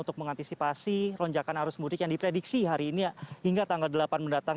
untuk mengantisipasi lonjakan arus mudik yang diprediksi hari ini hingga tanggal delapan mendatang